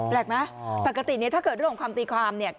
แปลกไหมปกติเนี่ยถ้าเกิดเรื่องของความตีความเนี่ย